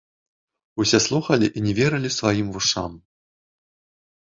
Усе слухалі і не верылі сваім вушам.